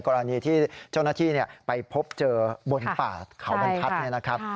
กรณีที่เจ้าหน้าที่ไปพบเจอบนป่าเขาบรรทัศน์เนี่ยนะครับ